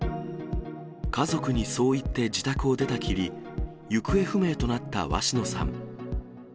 家族にそう言って自宅を出たきり、行方不明となった鷲野さん。